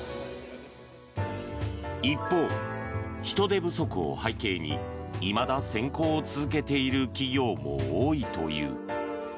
一方、人手不足を背景にいまだ選考を続けている企業も多いという。